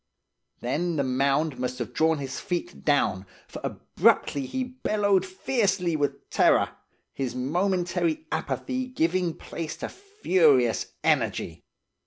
"Then the mound must have drawn his feet down, for abruptly he bellowed fiercely with terror, his momentary apathy giving place to furious energy.